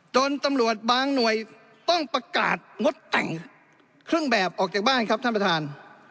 จนตำรวจบางหน่วยต้องประกาศงดแต่งเครื่องแบบออกจากบ้านครับท่านประธาน